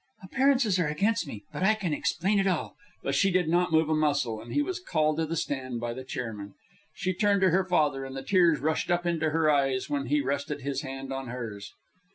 "Appearances are against me, but I can explain it all." But she did not move a muscle, and he was called to the stand by the chairman. She turned to her father, and the tears rushed up into her eyes when he rested his hand on hers.